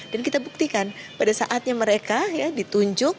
dan kita buktikan pada saatnya mereka ya ditunjuk